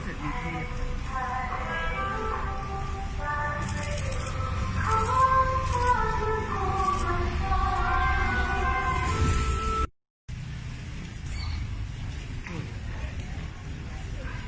โจทย์นี้ไม่ได้กลับมาจากพิศจรรย์